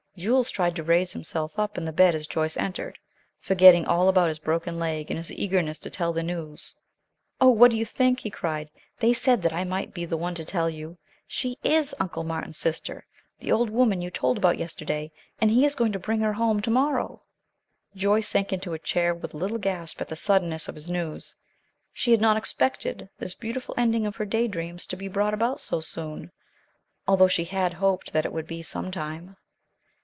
Jules tried to raise himself up in bed as Joyce entered, forgetting all about his broken leg in his eagerness to tell the news. "Oh, what do you think!" he cried. "They said that I might be the one to tell you. She is Uncle Martin's sister, the old woman you told about yesterday, and he is going to bring her home to morrow." Joyce sank into a chair with a little gasp at the suddenness of his news. She had not expected this beautiful ending of her day dreams to be brought about so soon, although she had hoped that it would be sometime.